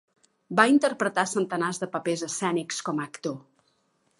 Va interpretar centenars de papers escènics com a actor.